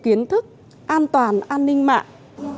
kiến thức an toàn an ninh mạng